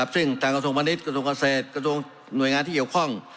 ซึ่งทางกระทรวงมณิชยกระทรวงเกษตรกระทรวงหน่วยงานที่เกี่ยวข้อง